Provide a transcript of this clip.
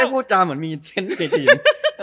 แก้พูดจ้าเหมือนมีเทนท์เป็นดิน